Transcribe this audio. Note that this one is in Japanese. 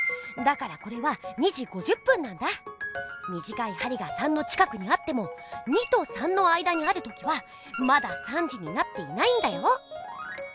だからこれは２じ５０ぷんなんだ！みじかいはりが「３」の近くにあっても「２」と「３」の間にあるときはまだ３じになっていないんだよ。